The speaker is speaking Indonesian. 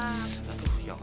aduh ya allah